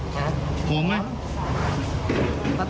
ประตั้งหน่วยหกบาท